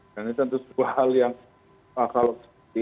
dan ini tentu sebuah hal yang salah